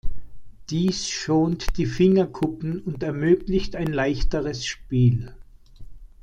Dies schont die Fingerkuppen und ermöglicht ein leichteres Spiel.